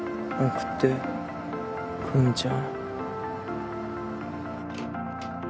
送って久美ちゃん。